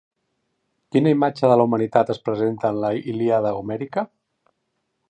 Quina imatge de la humanitat es presenta en la Ilíada homèrica?